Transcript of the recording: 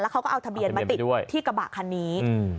เขาก็เอาทะเบียนมาติดที่กระบะคันนี้